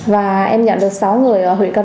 và em nhận được sáu người ở huyện công an